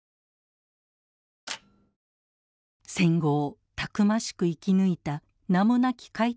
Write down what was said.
戦後をたくましく生き抜いた名もなき開拓